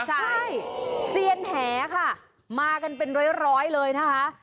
ใช่เซียนแหค่ะมากันเป็นร้อยเลยนะคะ